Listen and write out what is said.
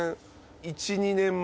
１２年前。